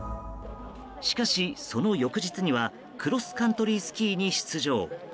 しかし、その翌日にはクロスカントリースキーに出場。